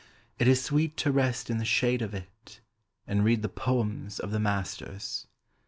It is sweet to rest in the shade of it And read the poems of the masters.